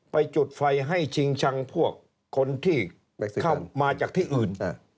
จุดไฟให้ชิงชังพวกคนที่มาจากที่อื่น